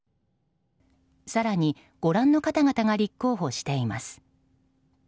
更に、ご覧の方々が立候補しています。